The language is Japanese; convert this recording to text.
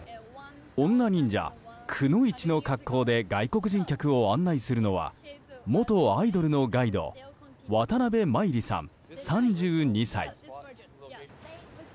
女忍者・くノ一の格好で外国人客を案内するのは元アイドルのガイド渡邉まいりさん、３２歳。